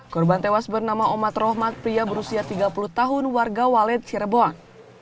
korban tewas bernama omat rohmat pria berusia tiga puluh tahun warga walet cirebon